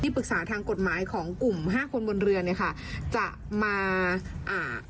ปรึกษาทางกฎหมายของกลุ่มห้าคนบนเรือเนี้ยค่ะจะมาอ่า